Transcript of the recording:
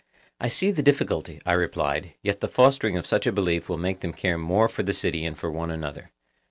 I see the difficulty, I replied; yet the fostering of such a belief will make them care more for the city and for one another.